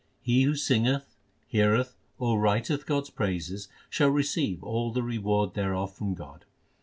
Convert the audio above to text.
He who singeth, heareth, or writeth God s praises Shall receive all the reward thereof from God.